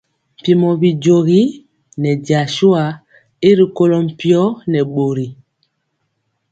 Mpiemɔ bijogi nɛ jasua y rikolɔ mpio nɛ bori.